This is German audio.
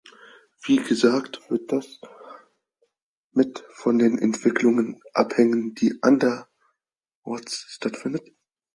Wie gesagt, wird das mit von den Entwicklungen abhängen, die andererorts stattfinden.